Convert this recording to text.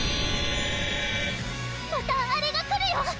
またあれが来るよ！